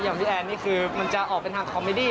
อย่างพี่แอนนี่คือมันจะออกเป็นทางคอมมิดี้